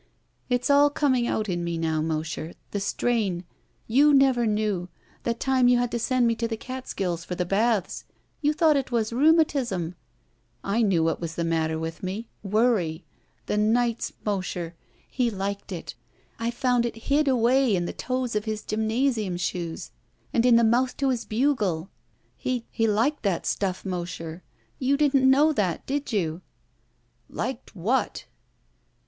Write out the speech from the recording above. "It's all coming out in me now, Mosher. The straili. You never knew. That time you had to send me to the Catskills for the baths. You thought it was rhetmiatism. I ki^ew what was the matter with me. Worry. The nights — Mosher. He liked it. I foimd it hid away in the toes of his gymnasium shoes and in the mouth to his bugle. He — ^liked that stuff, Mosher. You didn't know that, did you?" "Liked what?"